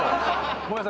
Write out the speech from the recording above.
ごめんなさい！